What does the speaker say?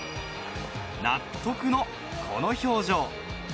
納得のこの表情。